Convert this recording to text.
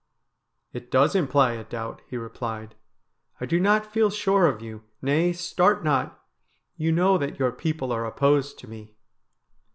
' It does imply a doubt,' he replied. ' I do not feel sure of you. Nay, start not. You know that your people are opposed to me.'